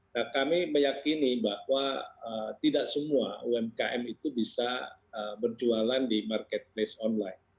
nah kami meyakini bahwa tidak semua umkm itu bisa berjualan di marketplace online